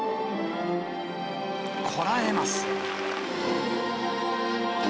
こらえます。